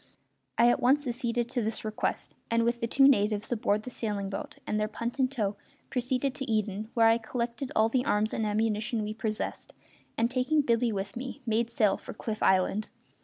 I at once acceded to this request, and, with the two natives aboard the sailing boat and their punt in tow, proceeded to Eden, where I collected all the arms and ammunition we possessed, and, taking Billy with me, made sail for Cliff Island.